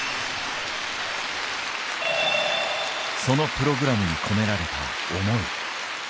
そのプログラムに込められた思い。